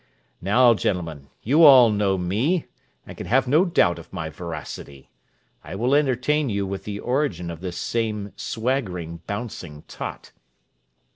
Now, gentlemen, you all know me, and can have no doubt of my veracity. I will entertain you with the origin of this same swaggering, bouncing Tott.